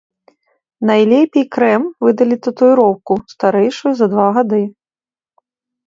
Найлепей крэм выдаліць татуіроўку, старэйшую за два гады.